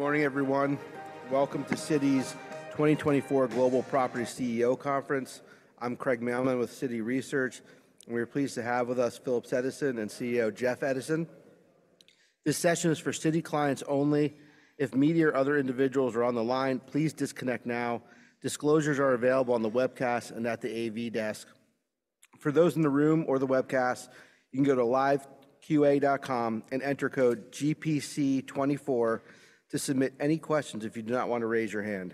Good morning, everyone. Welcome to Citi's 2024 Global Property CEO Conference. I'm Craig Mailman with Citi Research, and we are pleased to have with us Phillips Edison and CEO Jeff Edison. This session is for Citi clients only. If media or other individuals are on the line, please disconnect now. Disclosures are available on the webcast and at the AV desk. For those in the room or the webcast, you can go to liveqa.com and enter code GPC24 to submit any questions if you do not want to raise your hand.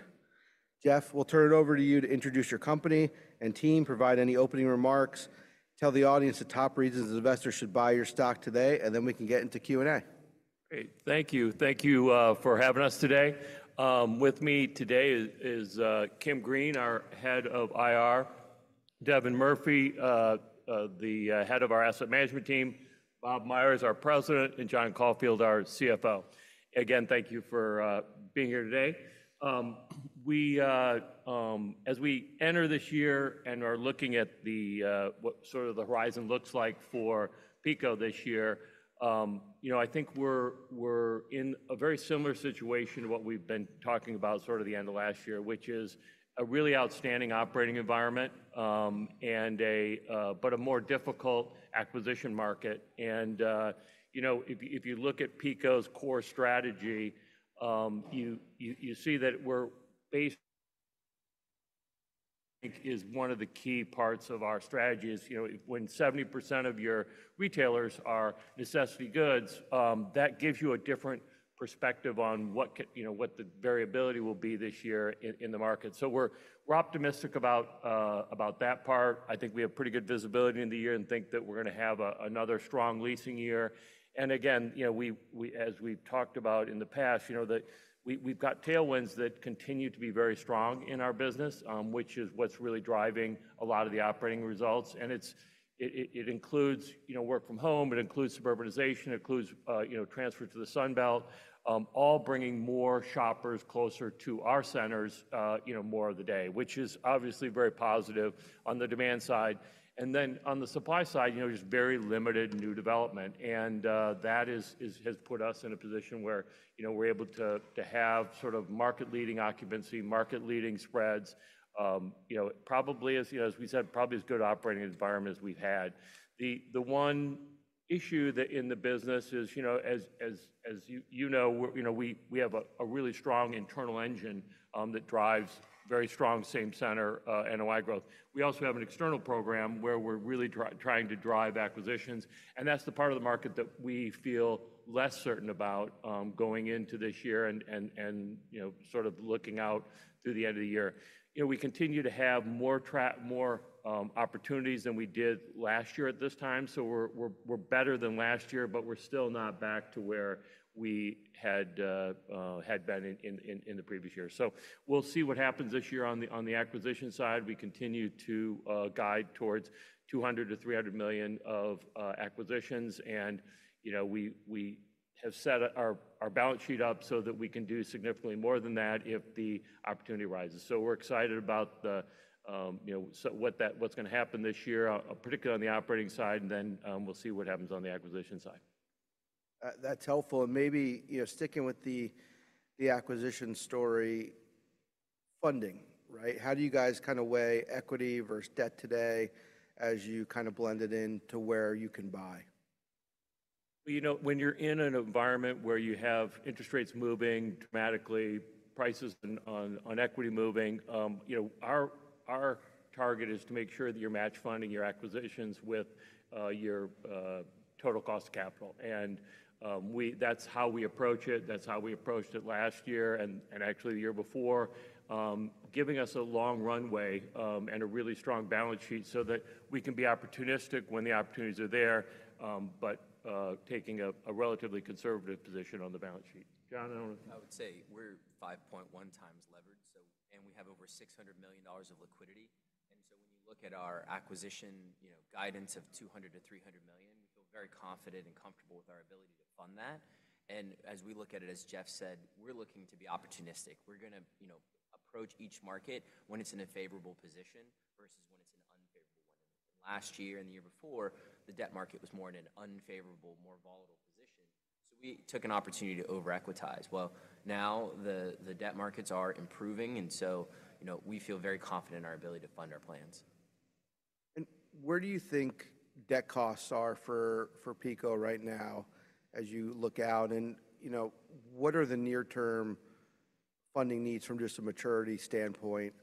Jeff, we'll turn it over to you to introduce your company and team, provide any opening remarks, tell the audience the top reasons investors should buy your stock today, and then we can get into Q&A. Great. Thank you. Thank you, for having us today. With me today is Kim Green, our Head of IR; Devin Murphy, the head of our asset management team; Bob Myers, our President; and John Caulfield, our CFO. Again, thank you for being here today. As we enter this year and are looking at what sort of the horizon looks like for PECO this year, you know, I think we're in a very similar situation to what we've been talking about sort of the end of last year, which is a really outstanding operating environment, and a but a more difficult acquisition market. And, you know, if you, if you look at PECO's core strategy, you see that is one of the key parts of our strategy is, you know, when 70% of your retailers are necessity goods, that gives you a different perspective on what could, you know, what the variability will be this year in the market. So we're optimistic about that part. I think we have pretty good visibility in the year and think that we're gonna have another strong leasing year. And again, you know, we as we've talked about in the past, you know, that we've got tailwinds that continue to be very strong in our business, which is what's really driving a lot of the operating results, and it includes, you know, work from home, it includes suburbanization, it includes, you know, transfer to the Sun Belt, all bringing more shoppers closer to our centers, you know, more of the day, which is obviously very positive on the demand side. And then on the supply side, you know, there's very limited new development, and that has put us in a position where, you know, we're able to have sort of market-leading occupancy, market-leading spreads. You know, probably as we said, probably as good an operating environment as we've had. The one issue in the business is, you know, as you know, you know, we have a really strong internal engine that drives very strong same-center NOI growth. We also have an external program where we're really trying to drive acquisitions, and that's the part of the market that we feel less certain about, going into this year and, you know, sort of looking out through the end of the year. You know, we continue to have more opportunities than we did last year at this time, so we're better than last year, but we're still not back to where we had been in the previous year. So we'll see what happens this year on the acquisition side. We continue to guide towards $200 million-$300 million of acquisitions, and, you know, we have set our balance sheet up so that we can do significantly more than that if the opportunity arises. So we're excited about the, you know, so what's gonna happen this year, particularly on the operating side, and then, we'll see what happens on the acquisition side. That's helpful. And maybe, you know, sticking with the acquisition story, funding, right? How do you guys kind of weigh equity versus debt today as you kind of blend it in to where you can buy? Well, you know, when you're in an environment where you have interest rates moving dramatically, prices on equity moving, you know, our target is to make sure that you're match funding your acquisitions with your total cost of capital, and that's how we approach it, that's how we approached it last year and actually the year before, giving us a long runway, and a really strong balance sheet so that we can be opportunistic when the opportunities are there, but taking a relatively conservative position on the balance sheet. John? I would say we're 5.1x levered, so and we have over $600 million of liquidity. So when you look at our acquisition, you know, guidance of $200 million-$300 million, we feel very confident and comfortable with our ability to fund that. As we look at it, as Jeff said, we're looking to be opportunistic. We're gonna, you know, approach each market when it's in a favorable position versus when it's an unfavorable one. Last year and the year before, the debt market was more in an unfavorable, more volatile position, so we took an opportunity to over-equitize. Well, now the debt markets are improving, and so, you know, we feel very confident in our ability to fund our plans. Where do you think debt costs are for PECO right now as you look out? You know, what are the near-term funding needs from just a maturity standpoint?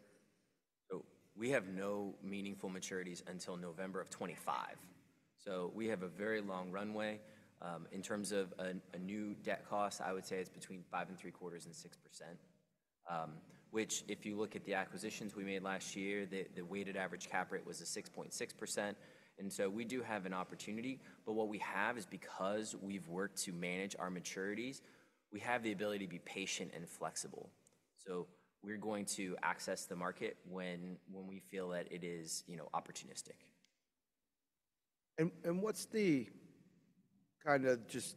So we have no meaningful maturities until November of 2025, so we have a very long runway. In terms of a new debt cost, I would say it's between 5.75% and 6%, which, if you look at the acquisitions we made last year, the weighted average cap rate was 6.6%, and so we do have an opportunity. But what we have is because we've worked to manage our maturities, we have the ability to be patient and flexible. So we're going to access the market when we feel that it is, you know, opportunistic. And what's the kind of just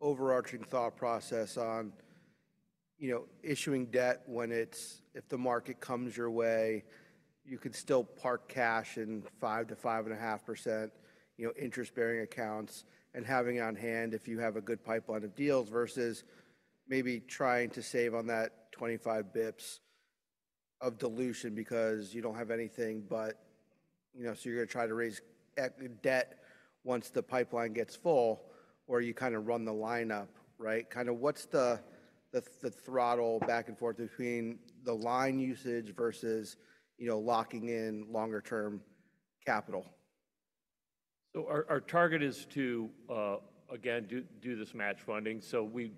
overarching thought process on, you know, issuing debt when it's, if the market comes your way? You could still park cash in 5%-5.5%, you know, interest-bearing accounts and having it on hand if you have a good pipeline of deals, versus maybe trying to save on that 25 basis points of dilution because you don't have anything, but, you know, so you're gonna try to raise debt once the pipeline gets full, or you kind of run the line up, right? Kind of what's the throttle back and forth between the line usage versus, you know, locking in longer term capital? So our target is to again do this match funding. So we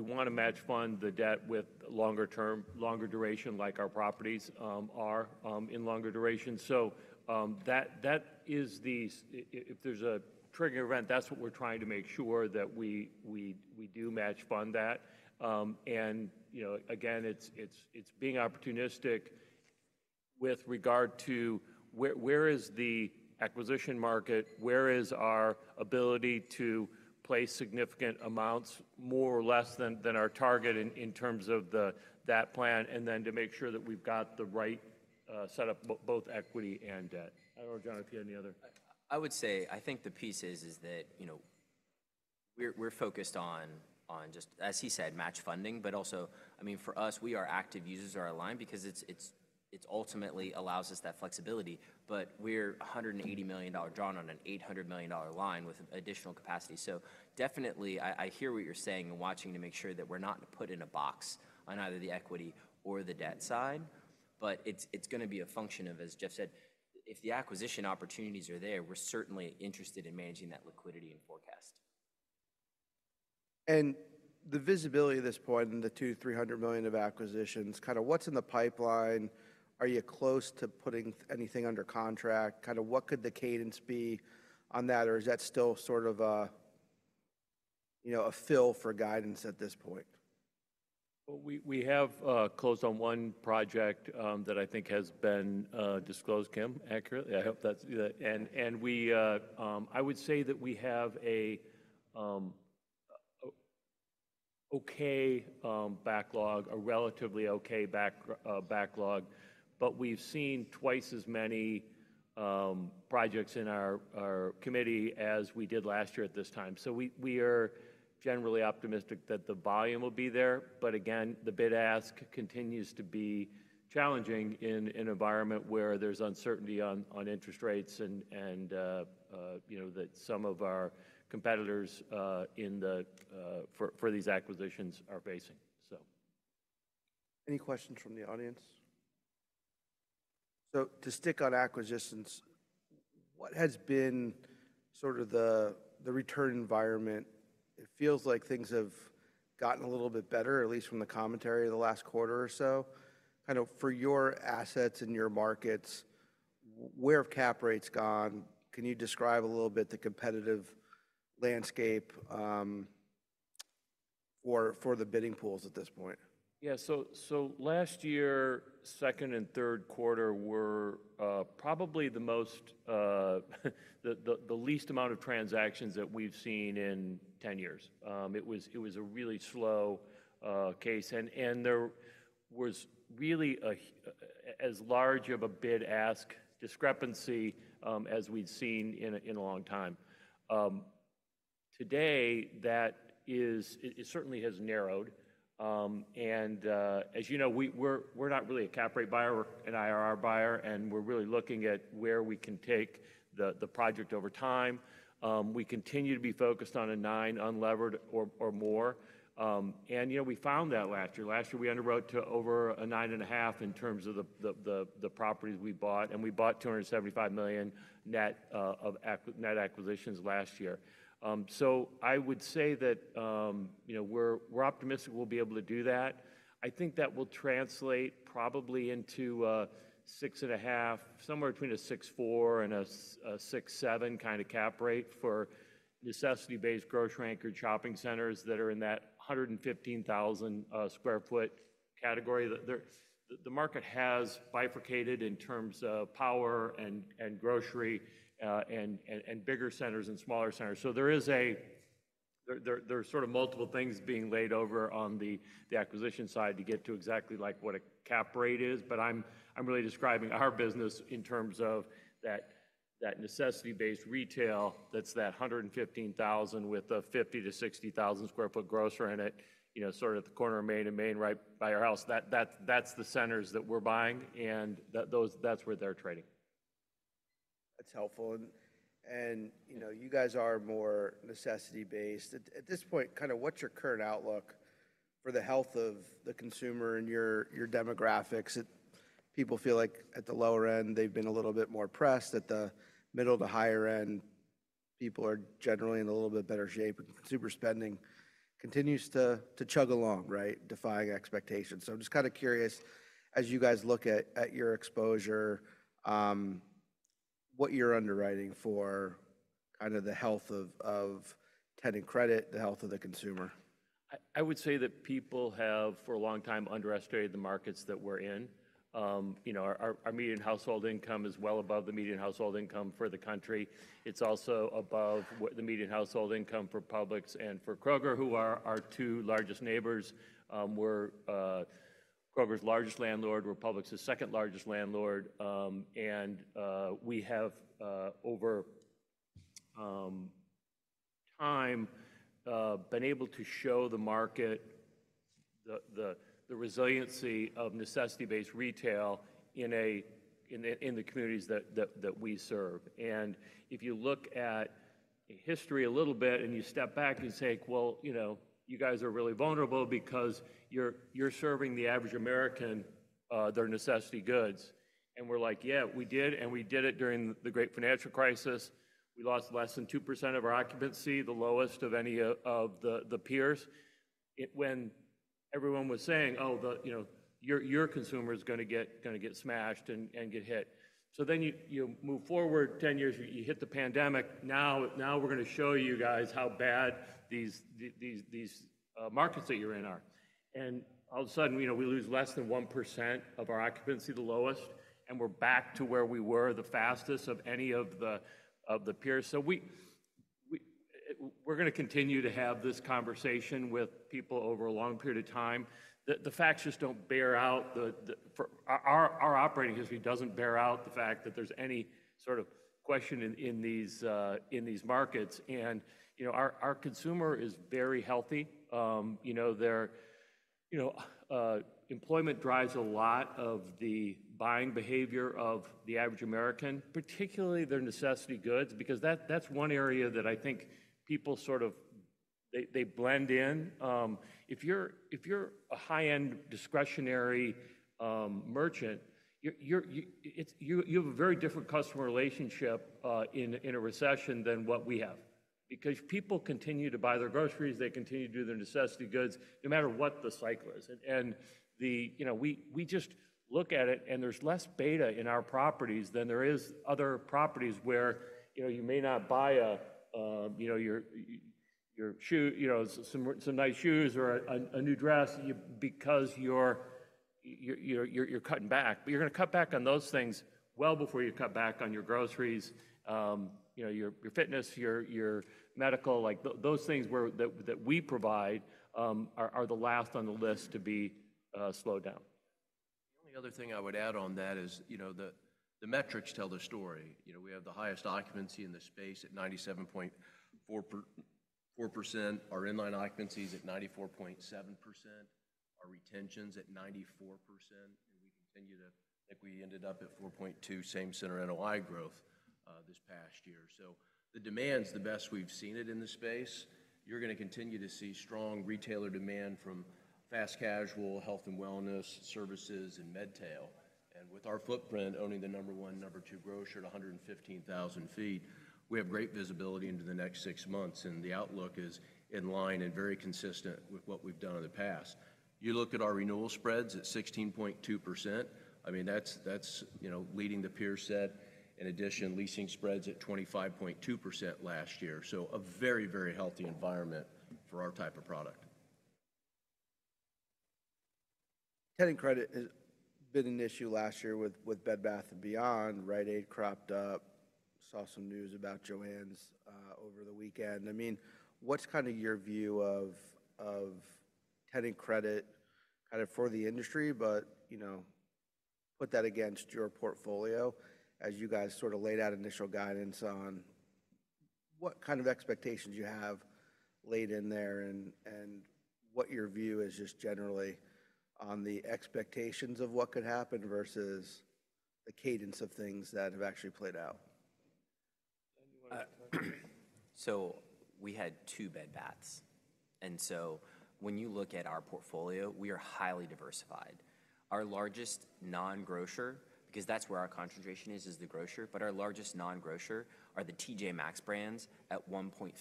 wanna match fund the debt with longer term, longer duration, like our properties are in longer duration. So, if there's a trigger event, that's what we're trying to make sure that we do match fund that. And, you know, again, it's being opportunistic with regard to where is the acquisition market? Where is our ability to place significant amounts, more or less than our target in terms of that plan, and then to make sure that we've got the right setup, both equity and debt. I don't know, John, if you had any other? I would say, I think the piece is that, you know, we're focused on just, as he said, match funding, but also, I mean, for us, we are active users of our line because it ultimately allows us that flexibility. But we're $180 million drawn on an $800 million line with additional capacity. So definitely, I hear what you're saying and watching to make sure that we're not put in a box on either the equity or the debt side, but it's gonna be a function of, as Jeff said, if the acquisition opportunities are there, we're certainly interested in managing that liquidity and forecast. The visibility at this point and the $200 million-$300 million of acquisitions, kind of what's in the pipeline? Are you close to putting anything under contract? Kind of what could the cadence be on that, or is that still sort of a, you know, a fill for guidance at this point? Well, we have closed on one project that I think has been disclosed, Kim, accurately? I hope that's and I would say that we have a relatively okay backlog, but we've seen twice as many projects in our committee as we did last year at this time. So we are generally optimistic that the volume will be there. But again, the bid-ask continues to be challenging in an environment where there's uncertainty on interest rates and you know that some of our competitors in the for these acquisitions are facing. Any questions from the audience? So to stick on acquisitions, what has been sort of the return environment? It feels like things have gotten a little bit better, at least from the commentary of the last quarter or so. Kind of for your assets and your markets, where have cap rates gone? Can you describe a little bit the competitive landscape, for the bidding pools at this point? Yeah. So last year, second and third quarter were probably the least amount of transactions that we've seen in 10 years. It was a really slow pace, and there was really as large of a bid-ask spread as we'd seen in a long time. Today, that certainly has narrowed, and as you know, we're not really a cap rate buyer, we're an IRR buyer, and we're really looking at where we can take the project over time. We continue to be focused on a nine unlevered or more. And you know, we found that last year. Last year, we underwrote to over a 9.5 in terms of the properties we bought, and we bought $275 million net of net acquisitions last year. So I would say that, you know, we're optimistic we'll be able to do that. I think that will translate probably into 6.5%, somewhere between a 6.4% and a 6.7% kind of cap rate for necessity-based, grocery-anchored shopping centers that are in that 115,000 sq ft category. The market has bifurcated in terms of power and grocery, and bigger centers and smaller centers. So there are sort of multiple things being laid over on the acquisition side to get to exactly like what a cap rate is, but I'm really describing our business in terms of that necessity-based retail, that's that 115,000 with a 50,000-60,000 sq ft grocer in it, you know, sort of at the corner of Main and Main, right by our house. That's the centers that we're buying, and that's where they're trading. That's helpful. And, you know, you guys are more necessity-based. At this point, kind of what's your current outlook for the health of the consumer and your demographics? People feel like at the lower end, they've been a little bit more pressed, at the middle to higher end, people are generally in a little bit better shape, but consumer spending continues to chug along, right? Defying expectations. So I'm just kind of curious, as you guys look at your exposure, what you're underwriting for kind of the health of tenant credit, the health of the consumer. I would say that people have, for a long time, underestimated the markets that we're in. You know, our median household income is well above the median household income for the country. It's also above what the median household income for Publix and for Kroger, who are our two largest neighbors. We're Kroger's largest landlord, we're Publix's second largest landlord, and we have, over time, been able to show the market the resiliency of necessity-based retail in the communities that we serve. And if you look at history a little bit, and you step back and say, "Well, you know, you guys are really vulnerable because you're serving the average American, their necessity goods." And we're like, "Yeah, we did, and we did it during the great financial crisis." We lost less than 2% of our occupancy, the lowest of any of the peers. It, when everyone was saying, "Oh, you know, your consumer is gonna get smashed and get hit." So then you move forward 10 years, you hit the pandemic. Now, now we're gonna show you guys how bad these markets that you're in are." And all of a sudden, you know, we lose less than 1% of our occupancy, the lowest, and we're back to where we were, the fastest of any of the peers. So we're gonna continue to have this conversation with people over a long period of time. The facts just don't bear out the. Our operating history doesn't bear out the fact that there's any sort of question in these markets. And, you know, our consumer is very healthy. You know, they're, you know, employment drives a lot of the buying behavior of the average American, particularly their necessity goods, because that's one area that I think people sort of. They blend in. If you're a high-end discretionary merchant, you have a very different customer relationship in a recession than what we have. Because people continue to buy their groceries, they continue to do their necessity goods, no matter what the cycle is. You know, we just look at it, and there's less beta in our properties than there is other properties where, you know, you may not buy a, you know, your shoe, you know, some nice shoes or a new dress, you're cutting back. But you're gonna cut back on those things well before you cut back on your groceries, you know, your fitness, your medical, like, those things that we provide are the last on the list to be slowed down. The only other thing I would add on that is, you know, the metrics tell the story. You know, we have the highest occupancy in the space at 97.4%. Our inline occupancy is at 94.7%. Our retention's at 94%, and we continue to. I think we ended up at 4.2% Same-Center NOI growth this past year. So the demand's the best we've seen it in the space. You're gonna continue to see strong retailer demand from fast casual, health and wellness, services, and medtail. And with our footprint, owning the number one and number two grocer at 115,000 sq ft, we have great visibility into the next six months, and the outlook is in line and very consistent with what we've done in the past. You look at our renewal spreads at 16.2%, I mean, that's, that's, you know, leading the peer set. In addition, leasing spreads at 25.2% last year, so a very, very healthy environment for our type of product. Tenant credit has been an issue last year with Bed Bath & Beyond, Rite Aid cropped up. Saw some news about JOANN’s over the weekend. I mean, what's kind of your view of tenant credit, kind of for the industry, but you know, put that against your portfolio as you guys sort of laid out initial guidance on what kind of expectations you have laid in there, and what your view is just generally on the expectations of what could happen versus the cadence of things that have actually played out? Anyone want to? So we had two Bed Bath & Beyonds. And so when you look at our portfolio, we are highly diversified. Our largest non-grocer, because that's where our concentration is, is the grocer, but our largest non-grocer are the TJ Maxx brands at 1.3%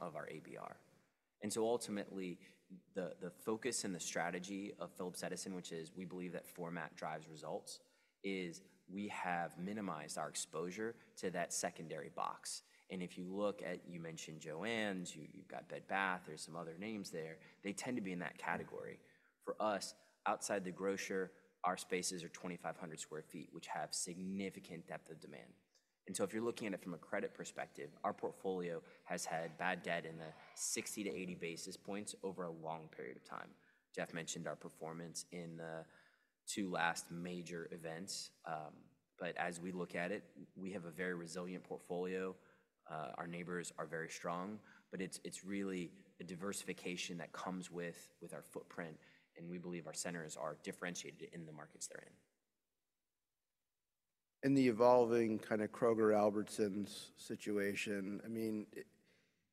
of our ABR. And so ultimately, the focus and the strategy of Phillips Edison, which is we believe that format drives results, is we have minimized our exposure to that secondary box. And if you look at, you mentioned JOANN, you've got Bed Bath & Beyond, there's some other names there, they tend to be in that category. For us, outside the grocer, our spaces are 2,500 sq ft, which have significant depth of demand. And so if you're looking at it from a credit perspective, our portfolio has had bad debt in the 60-80 basis points over a long period of time. Jeff mentioned our performance in the two last major events, but as we look at it, we have a very resilient portfolio. Our neighbors are very strong, but it's really a diversification that comes with our footprint, and we believe our centers are differentiated in the markets they're in. In the evolving kind of Kroger, Albertsons situation, I mean,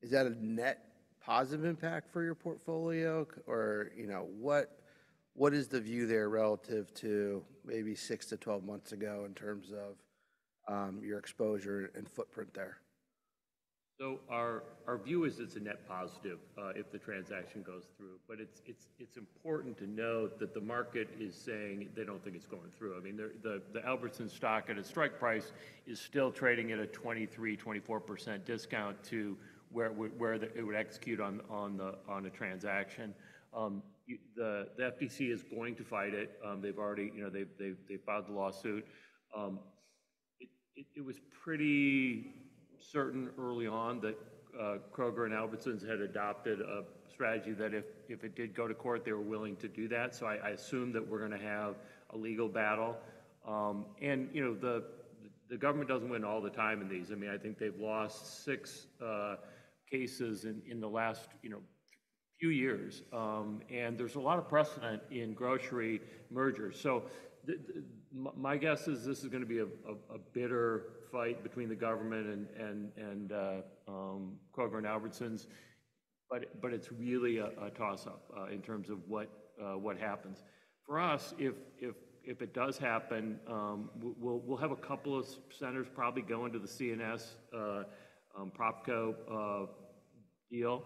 is that a net positive impact for your portfolio? Or, you know, what, what is the view there relative to maybe six to 12 months ago in terms of, your exposure and footprint there? So our view is it's a net positive if the transaction goes through, but it's important to note that the market is saying they don't think it's going through. I mean, the Albertsons stock at its strike price is still trading at a 23%-24% discount to where it would execute on the transaction. The FTC is going to fight it, they've already, you know, they've filed the lawsuit. It was pretty certain early on that Kroger and Albertsons had adopted a strategy that if it did go to court, they were willing to do that, so I assume that we're gonna have a legal battle. And, you know, the government doesn't win all the time in these. I mean, I think they've lost six cases in the last, you know, few years, and there's a lot of precedent in grocery mergers. So my guess is this is gonna be a bitter fight between the government and Kroger and Albertsons, but it's really a toss-up in terms of what happens. For us, if it does happen, we'll have a couple of centers probably go into the C&S PropCo deal.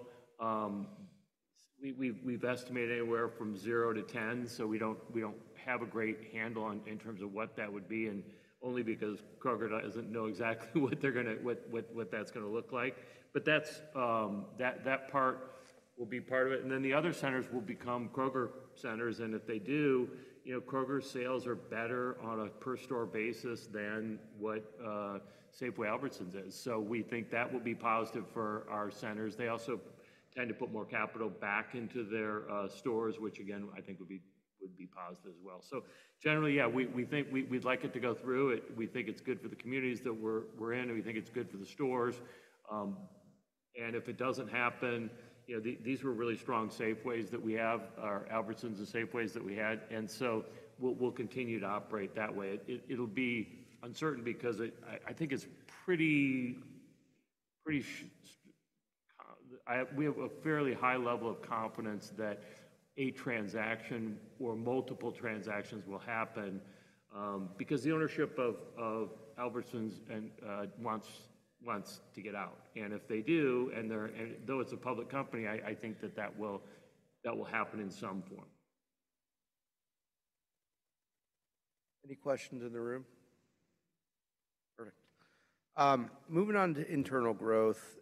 We've estimated anywhere from zero to 10, so we don't have a great handle on it in terms of what that would be, and only because Kroger doesn't know exactly what they're gonna what that's gonna look like. That, that part will be part of it, and then the other centers will become Kroger centers, and if they do, you know, Kroger's sales are better on a per-store basis than what Safeway Albertsons is. So we think that will be positive for our centers. They also tend to put more capital back into their stores, which again, I think would be positive as well. So generally, yeah, we think we'd like it to go through. We think it's good for the communities that we're in, and we think it's good for the stores. And if it doesn't happen, you know, these were really strong Safeways that we have, our Albertsons and Safeways that we had, and so we'll continue to operate that way. It'll be uncertain because I think it's pretty sure. We have a fairly high level of confidence that a transaction or multiple transactions will happen, because the ownership of Albertsons wants to get out, and if they do, and they're a public company, I think that will happen in some form. Any questions in the room? Perfect. Moving on to internal growth,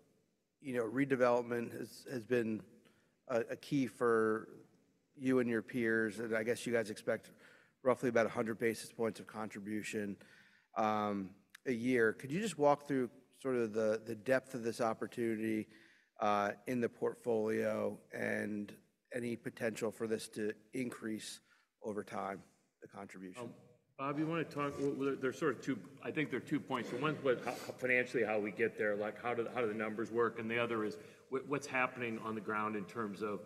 you know, redevelopment has been a key for you and your peers, and I guess you guys expect roughly about 100 basis points of contribution a year. Could you just walk through sort of the depth of this opportunity in the portfolio and any potential for this to increase over time, the contribution? Bob, you wanna talk? Well, there's sort of two, I think there are two points. So one, but how financially how we get there, like how do the, how do the numbers work? And the other is what's happening on the ground in terms of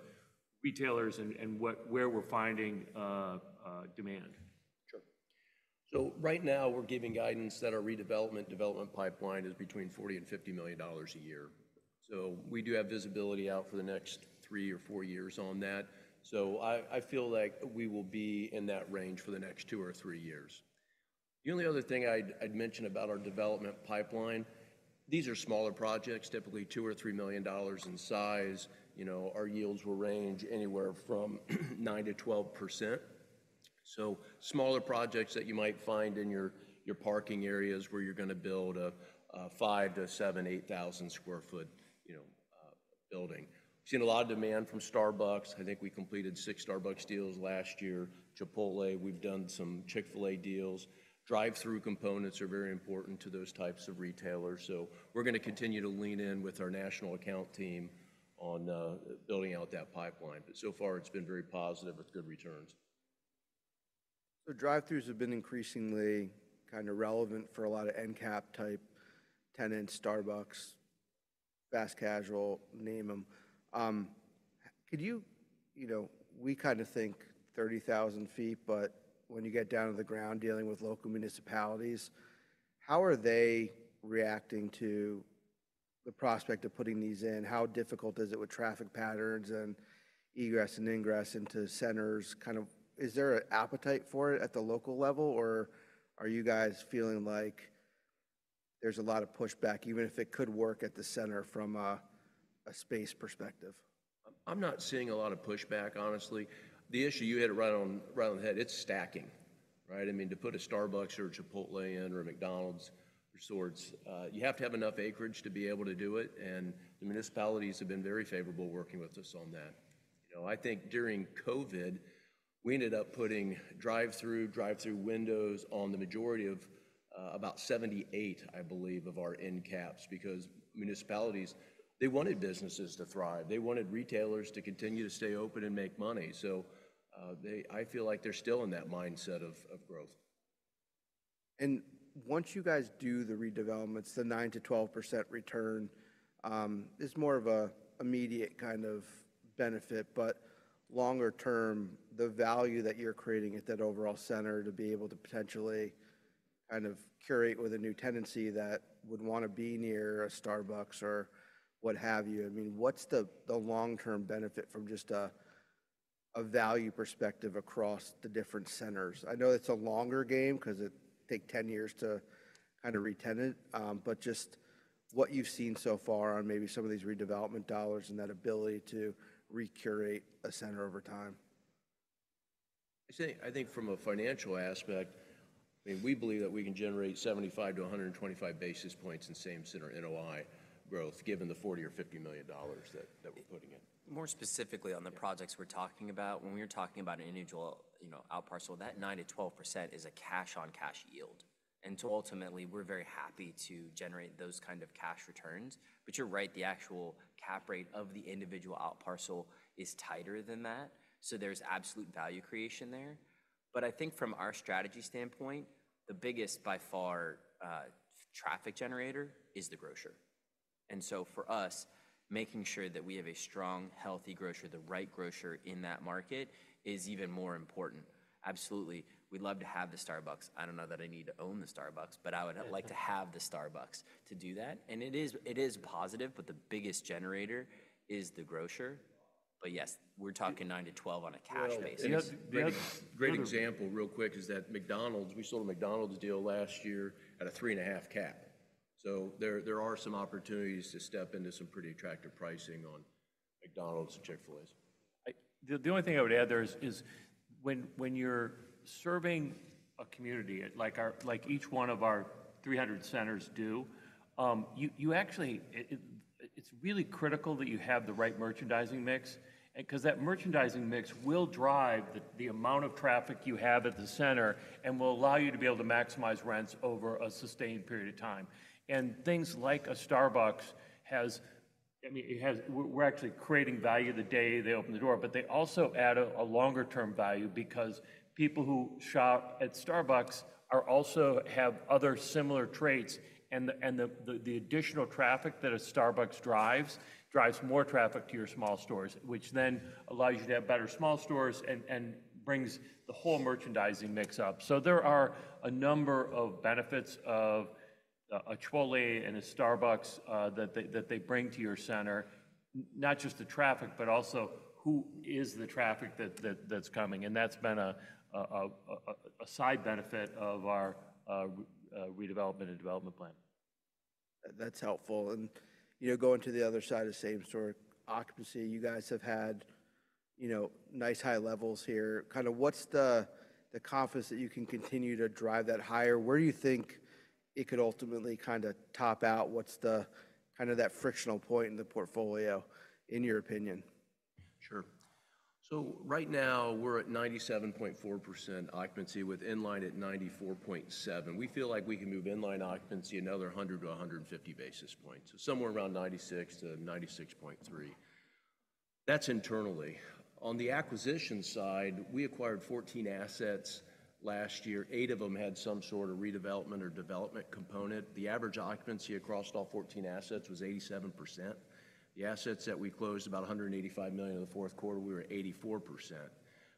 retailers and, and where we're finding demand. Sure. So right now, we're giving guidance that our redevelopment development pipeline is between $40 million and $50 million a year. So we do have visibility out for the next three or four years on that. So I feel like we will be in that range for the next two or three years. The only other thing I'd mention about our development pipeline, these are smaller projects, typically $2 million-$3 million in size. You know, our yields will range anywhere from 9%-12%. So smaller projects that you might find in your parking areas, where you're gonna build a five to seven or 8,000 sq ft, you know, building. We've seen a lot of demand from Starbucks. I think we completed six Starbucks deals last year. Chipotle, we've done some Chick-fil-A deals. Drive-through components are very important to those types of retailers, so we're gonna continue to lean in with our national account team on building out that pipeline. But so far, it's been very positive with good returns. So drive-throughs have been increasingly kind of relevant for a lot of end cap type tenants, Starbucks, fast casual, you name them. Could you, you know, we kind of think 30,000 sq ft, but when you get down to the ground dealing with local municipalities, how are they reacting to the prospect of putting these in? How difficult is it with traffic patterns and egress and ingress into centers? Kind of, is there an appetite for it at the local level, or are you guys feeling like there's a lot of pushback, even if it could work at the center from a space perspective? I'm not seeing a lot of pushback, honestly. The issue, you hit it right on, right on the head, it's stacking, right? I mean, to put a Starbucks or a Chipotle in, or a McDonald's, right? You have to have enough acreage to be able to do it, and the municipalities have been very favorable working with us on that. You know, I think during COVID, we ended up putting drive-through windows on the majority of, about 78, I believe, of our end caps, because municipalities, they wanted businesses to thrive. They wanted retailers to continue to stay open and make money. So, I feel like they're still in that mindset of growth. Once you guys do the redevelopments, the 9%-12% return is more of an immediate kind of benefit, but longer term, the value that you're creating at that overall center to be able to potentially kind of curate with a new tenancy that would wanna be near a Starbucks or what have you. I mean, what's the long-term benefit from just a value perspective across the different centers? I know it's a longer game, 'cause it take 10 years to kind of retenant, but just what you've seen so far on maybe some of these redevelopment dollars and that ability to recurate a center over time. I say, I think from a financial aspect, I mean, we believe that we can generate 75-125 basis points in same-center NOI growth, given the $40 million or $50 million that we're putting in. More specifically on the projects we're talking about, when we're talking about an individual, you know, out parcel, that 9%-12% is a cash-on-cash yield. And so ultimately, we're very happy to generate those kind of cash returns. But you're right, the actual cap rate of the individual out parcel is tighter than that, so there's absolute value creation there. But I think from our strategy standpoint, the biggest, by far, traffic generator is the grocer. And so for us, making sure that we have a strong, healthy grocer, the right grocer in that market, is even more important. Absolutely, we'd love to have the Starbucks. I don't know that I need to own the Starbucks, but I would like to have the Starbucks to do that. And it is, it is positive, but the biggest generator is the grocer. But yes, we're talking 9%-12% on a cash basis. Well, and that's. Great example, real quick, is that McDonald's. We sold a McDonald's deal last year at a 3.5% cap. So there are some opportunities to step into some pretty attractive pricing on McDonald's and Chick-fil-A's. The only thing I would add there is when you're serving a community, like each one of our 300 centers do, you actually. It's really critical that you have the right merchandising mix, and 'cause that merchandising mix will drive the amount of traffic you have at the center and will allow you to be able to maximize rents over a sustained period of time. And things like a Starbucks has. I mean, it has. We're actually creating value the day they open the door, but they also add a longer-term value because people who shop at Starbucks are also have other similar traits, and the additional traffic that a Starbucks drives more traffic to your small stores, which then allows you to have better small stores and brings the whole merchandising mix up. So there are a number of benefits of a Chipotle and a Starbucks that they bring to your center. Not just the traffic, but also who is the traffic that's coming, and that's been a side benefit of our redevelopment and development plan. That's helpful. And, you know, going to the other side of same-store occupancy, you guys have had, you know, nice high levels here. Kind of, what's the confidence that you can continue to drive that higher? Where do you think it could ultimately kind of top out? What's the kind of that frictional point in the portfolio, in your opinion? Sure. So right now, we're at 97.4% occupancy, with in-line at 94.7%. We feel like we can move in-line occupancy another 100 to 150 basis points, so somewhere around 96%-96.3%. That's internally. On the acquisition side, we acquired 14 assets last year. Eight of them had some sort of redevelopment or development component. The average occupancy across all 14 assets was 87%. The assets that we closed, about $185 million in the fourth quarter, we were 84%.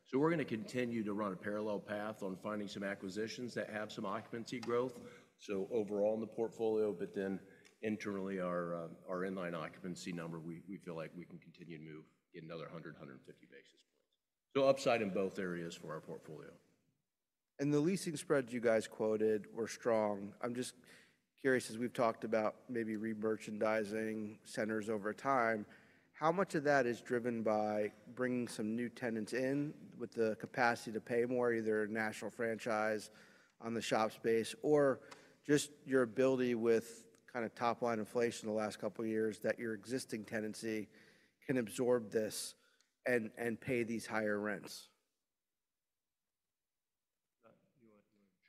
So we're gonna continue to run a parallel path on finding some acquisitions that have some occupancy growth. So overall in the portfolio, but then internally, our in-line occupancy number, we feel like we can continue to move in another 100-150 basis points. So upside in both areas for our portfolio. The leasing spreads you guys quoted were strong. I'm just curious, as we've talked about maybe remerchandising centers over time, how much of that is driven by bringing some new tenants in with the capacity to pay more, either a national franchise on the shop space, or just your ability with kind of top-line inflation in the last couple of years, that your existing tenancy can absorb this and pay these higher rents?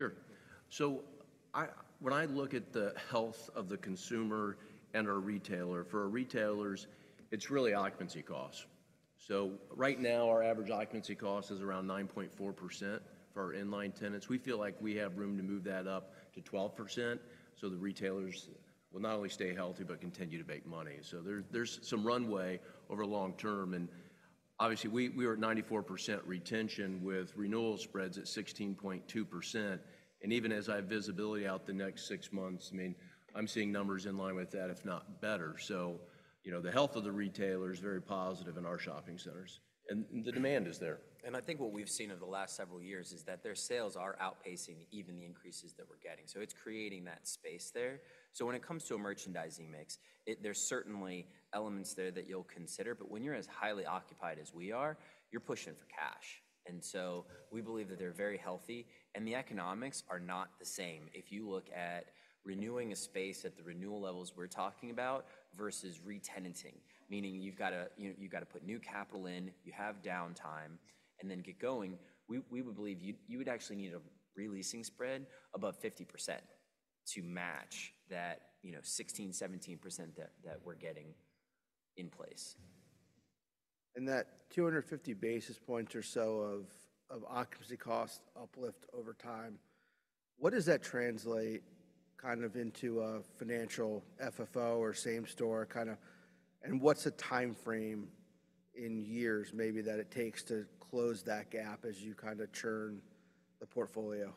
You want? Sure. So when I look at the health of the consumer and our retailer, for our retailers, it's really occupancy costs. So right now, our average occupancy cost is around 9.4% for our in-line tenants. We feel like we have room to move that up to 12%, so the retailers will not only stay healthy but continue to make money. So there's some runway over long term, and obviously, we are at 94% retention with renewal spreads at 16.2%. And even as I have visibility out the next six months, I mean, I'm seeing numbers in line with that, if not better. So, you know, the health of the retailer is very positive in our shopping centers, and the demand is there. I think what we've seen over the last several years is that their sales are outpacing even the increases that we're getting, so it's creating that space there. So when it comes to a merchandising mix, it, there's certainly elements there that you'll consider, but when you're as highly occupied as we are, you're pushing for cash. And so we believe that they're very healthy, and the economics are not the same. If you look at renewing a space at the renewal levels we're talking about versus retenanting, meaning you've gotta, you know, you've gotta put new capital in, you have downtime, and then get going, we, we would believe you, you would actually need a re-leasing spread above 50% to match that, you know, 16%-17% that, that we're getting in place. That 250 basis points or so of occupancy cost uplift over time, what does that translate kind of into a financial FFO or same store kind of – and what's the timeframe in years, maybe, that it takes to close that gap as you kind of churn the portfolio?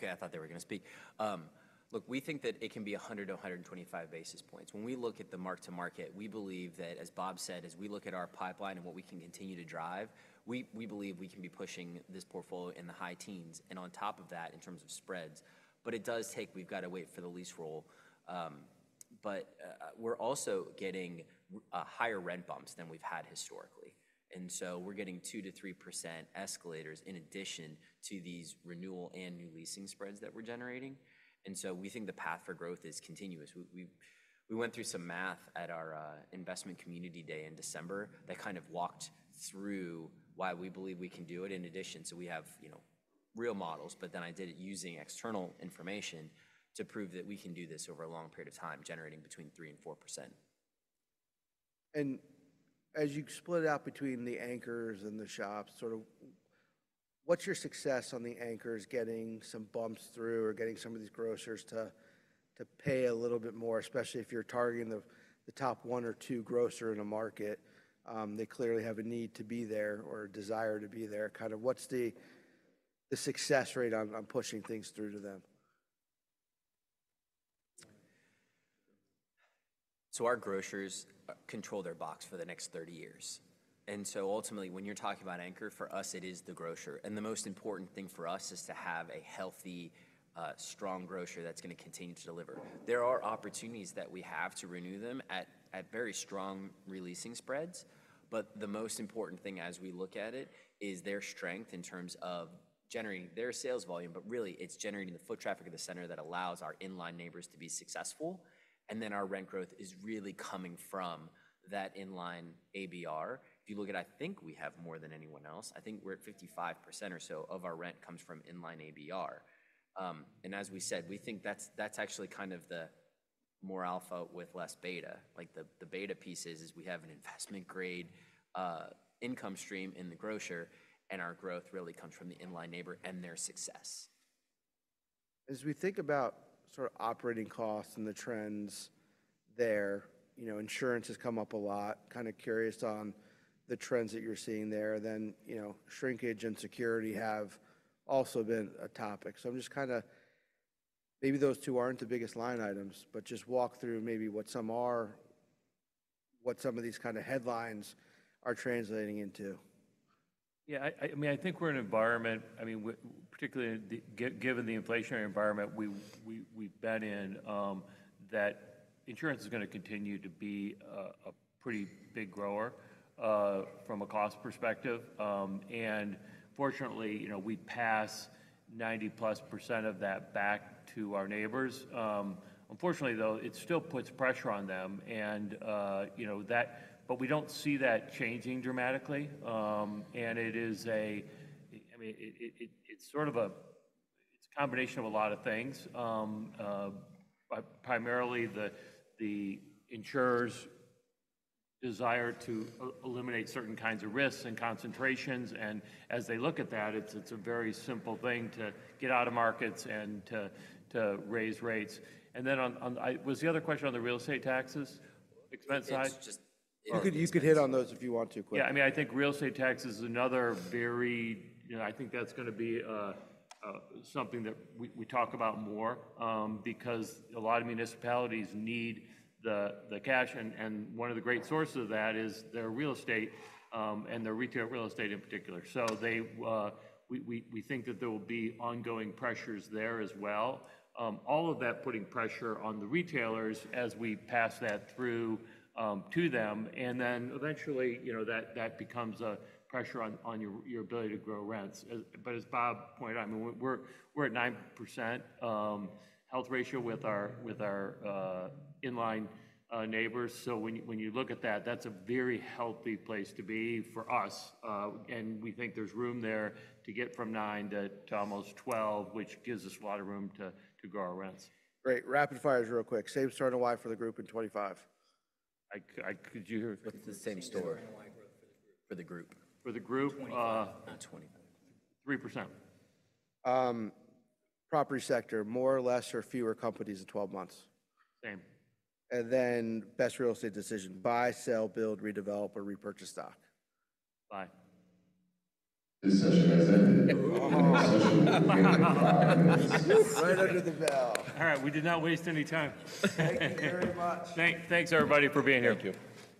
Okay, I thought they were gonna speak. Look, we think that it can be 100-125 basis points. When we look at the mark-to-market, we believe that, as Bob said, as we look at our pipeline and what we can continue to drive, we believe we can be pushing this portfolio in the high teens and on top of that, in terms of spreads. But it does take. We've got to wait for the lease roll. But we're also getting higher rent bumps than we've had historically. And so we're getting 2%-3% escalators in addition to these renewal and new leasing spreads that we're generating, and so we think the path for growth is continuous. We went through some math at our Investment Community Day in December that kind of walked through why we believe we can do it in addition. So we have, you know, real models, but then I did it using external information to prove that we can do this over a long period of time, generating between 3% and 4%. As you split it out between the anchors and the shops, sort of what's your success on the anchors getting some bumps through or getting some of these grocers to pay a little bit more, especially if you're targeting the top one or two grocer in a market? They clearly have a need to be there or a desire to be there. Kind of, what's the success rate on pushing things through to them? So our grocers control their box for the next 30 years. And so ultimately, when you're talking about anchor, for us, it is the grocer. And the most important thing for us is to have a healthy, strong grocer that's going to continue to deliver. There are opportunities that we have to renew them at, at very strong re-leasing spreads, but the most important thing as we look at it is their strength in terms of generating their sales volume, but really, it's generating the foot traffic of the center that allows our inline neighbors to be successful, and then our rent growth is really coming from that inline ABR. If you look at, I think we have more than anyone else, I think we're at 55% or so of our rent comes from inline ABR. And as we said, we think that's actually kind of the more alpha with less beta. Like, the beta piece is we have an investment-grade income stream in the grocer, and our growth really comes from the inline neighbor and their success. As we think about sort of operating costs and the trends there, you know, insurance has come up a lot. Kind of curious on the trends that you're seeing there, then, you know, shrinkage and security have also been a topic. So I'm just kind of, maybe those two aren't the biggest line items, but just walk through maybe what some are, what some of these kind of headlines are translating into. Yeah, I mean, I think we're in an environment. I mean, particularly given the inflationary environment we've been in, that insurance is going to continue to be a pretty big grower from a cost perspective. And fortunately, you know, we pass 90+% of that back to our neighbors. Unfortunately, though, it still puts pressure on them, you know, but we don't see that changing dramatically. And it is, I mean, it's sort of, it's a combination of a lot of things. But primarily, the insurer's desire to eliminate certain kinds of risks and concentrations, and as they look at that, it's a very simple thing to get out of markets and to raise rates. And then was the other question on the real estate taxes, expense side? It's just. You could hit on those if you want to quickly. Yeah, I mean, I think real estate tax is another very, you know, I think that's going to be something that we talk about more, because a lot of municipalities need the cash, and one of the great sources of that is their real estate, and their retail real estate in particular. So we think that there will be ongoing pressures there as well. All of that putting pressure on the retailers as we pass that through to them, and then eventually, you know, that becomes a pressure on your ability to grow rents. But as Bob pointed out, I mean, we're at 9% health ratio with our inline neighbors. So when you look at that, that's a very healthy place to be for us. And we think there's room there to get from 9% to almost 12%, which gives us a lot of room to grow our rents. Great. Rapid fires, real quick. Same-Center NOI for the group in 2025. Could you repeat? It's the same store. For the group. For the group? Not 25. 3%. Property sector, more or less, or fewer companies in 12 months? Same. Best real estate decision: buy, sell, build, redevelop, or repurchase stock? Buy. This session has ended. Right under the bell. All right. We did not waste any time. Thank you very much. Thanks, everybody, for being here. Thank you.